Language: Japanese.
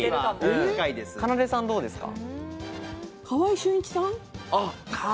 かなでさん、どうですか？